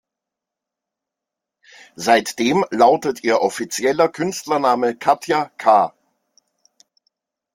Seitdem lautet ihr offizieller Künstlername "Katja K".